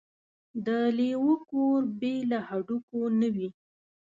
ـ د لېوه کور بې له هډوکو نه وي.